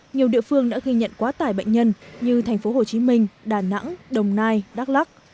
nhiều địa phương đã ghi nhận quá tải bệnh nhân như thành phố hồ chí minh đà nẵng đồng nai đắk lắc